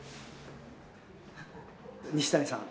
西谷さん。